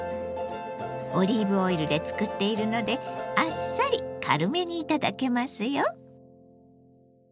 オリーブオイルで作っているのであっさり軽めに頂けますよ。